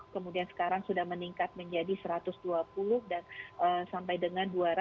kemudian sekarang sudah meningkat menjadi satu ratus dua puluh dan sampai dengan dua ratus